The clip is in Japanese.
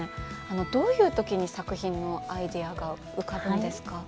どういう時に作品のアイデアが浮かぶんですか？